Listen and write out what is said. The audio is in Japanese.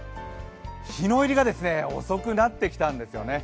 日の入りが遅くなってきたんですよね。